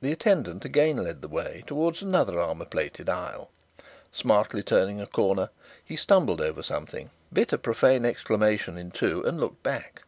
The attendant again led the way towards another armour plated aisle. Smartly turning a corner, he stumbled over something, bit a profane exclamation in two, and looked back.